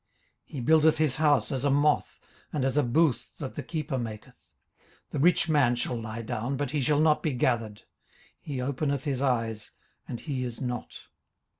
18:027:018 He buildeth his house as a moth, and as a booth that the keeper maketh. 18:027:019 The rich man shall lie down, but he shall not be gathered: he openeth his eyes, and he is not.